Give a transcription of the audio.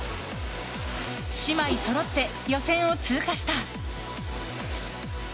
姉妹そろって予選を通過した。